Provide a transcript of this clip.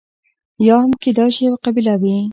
یا هم کېدای شي یوه قبیله وي.